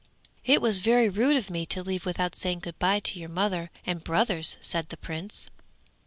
'It was very rude of me to leave without saying good bye to your mother and brothers,' said the Prince.